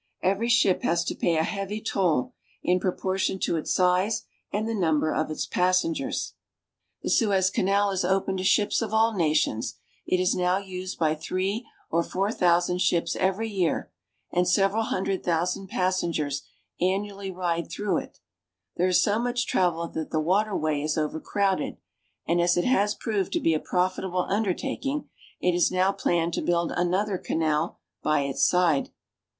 Ivery ship has to pay a heavy Jl, in proportion to its size id the number of its passen 1 1 2 AFRICA The Suez Canal is open to ships of all nations ; it is now used by three or four thousand ships every year, and sev eral hundred thousand passengers annually ride through it There is so much travel that the water way is over crowded, and as it has proved to be a profitable under taking, it is now planned to build another canal by its side.